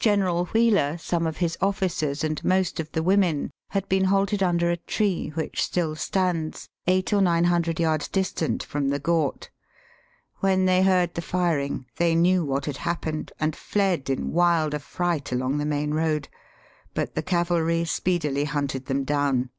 General Wheeler, some of his oflBcers, and most of the women had been halted under a tree, which still stands, eight or nine hundred yards distant from the ghat. When they heard the firing they knew what had happened, and fled in wild affiight along the main road. But the cavalry speedily hunted them down.